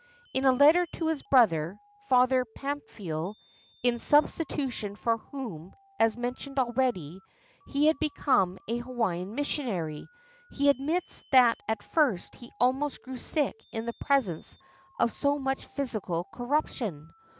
In a letter to his brother, Father Pamphile, in substitu tion for whom, as mentioned already, he had become a Hawaiian missionary, he admits that at first he almost grew sick in the presence of so much physical corruption.